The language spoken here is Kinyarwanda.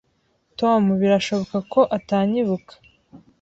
Tom birashoboka ko atanyibuka.